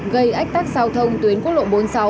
gây ách tắc giao thông tuyến quốc lộ bốn mươi sáu